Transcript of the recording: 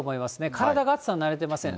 体が暑さに慣れていません。